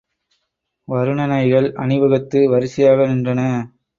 வருணனைகள் அணிவகுத்து வரிசையாக நின்றன.